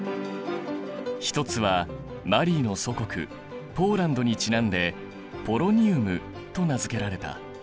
１つはマリーの祖国ポーランドにちなんでポロニウムと名付けられた。